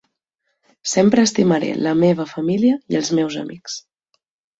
Sempre estimaré la meva família i els meus amics.